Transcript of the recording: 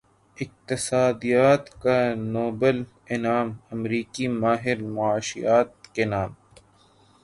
اقتصادیات کا نوبل انعام امریکی ماہر معاشیات کے نام